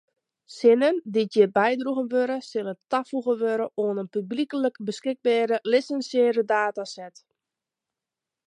Sinnen dy’t hjir bydroegen wurde sille tafoege wurde oan in publyklik beskikbere lisinsearre dataset.